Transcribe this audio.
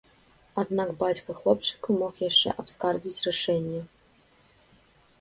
Аднак бацька хлопчыка мог яшчэ абскардзіць рашэнне.